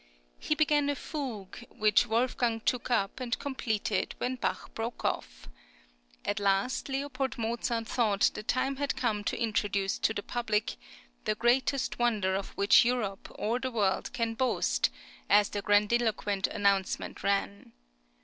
He began a fugue, which Wolfgang took up and completed when Bach broke off. {FIRST JOURNEY.} (40) At last L. Mozart thought the time had come to introduce to the public "the greatest wonder of which Europe or the world can boast," as the grandiloquent announcement ran.